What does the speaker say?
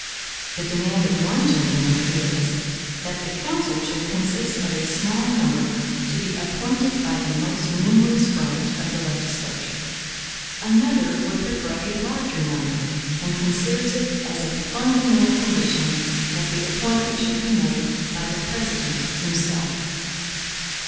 The demand of one gentleman is, that the council should consist of a small number to be appointed by the most numerous branch of the legislature. Another would prefer a larger number, and considers it as a fundamental condition that the appointment should be made by the President himself.